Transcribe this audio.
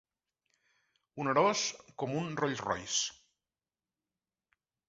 Onerós com un Rolls Royce.